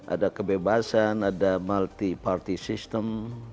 ada kebebasan ada multi party system